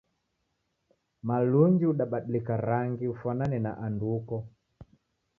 Malunji udabadilika rangu ufwanane na andu uko